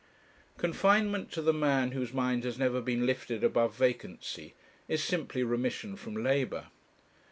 Confinement to the man whose mind has never been lifted above vacancy is simply remission from labour.